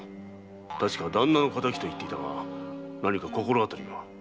確か「旦那の敵」と言ったが何か心当たりは？